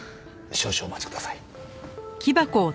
少々お待ちください。